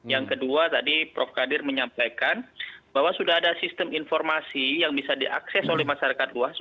yang kedua tadi prof kadir menyampaikan bahwa sudah ada sistem informasi yang bisa diakses oleh masyarakat luas